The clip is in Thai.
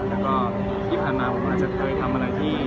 แล้วก็ที่ผ่านมาผมอาจจะเคยทำอะไรที่